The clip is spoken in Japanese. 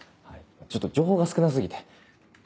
ちょっと情報が少な過ぎて。